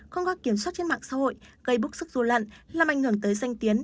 không có kiểm soát trên mạng xã hội gây búc sức du lận làm ảnh hưởng tới danh tiến